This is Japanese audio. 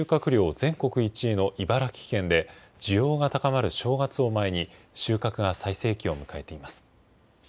全国１位の茨城県で需要が高まる正月を前に、収穫が最盛期を迎えています。